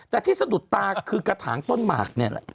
แต่ที่สะดุดตาคือกระถางต้นหมากเนี่ยแหละ